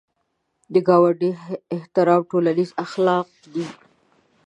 د ګاونډي احترام ټولنیز اخلاق دي